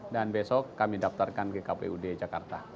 dan besok kami daftarkan ke kpud jakarta